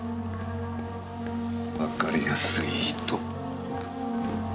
わかりやすい人。